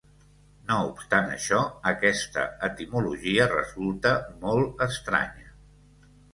No obstant això aquesta etimologia resulta molt estranya.